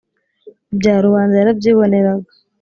ibyo rubanda yarabyiboneraga,